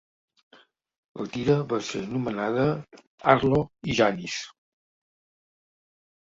La tira va ser nomenada Arlo i Janis.